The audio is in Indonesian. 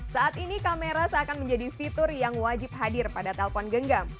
saat ini kamera seakan menjadi fitur yang wajib hadir pada telpon genggam